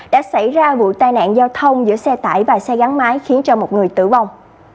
đã xảy ra vụ tai nạn giao thông giữa xe tải và xe gắn máy khiến cho một người tử vong